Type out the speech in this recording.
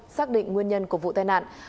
xác định nguyên nhân của vụ tai nạn